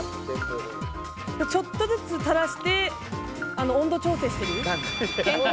ちょっとずつたらして温度調整してる。